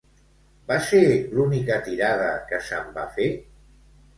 Va ser l'única tirada que se'n va fer?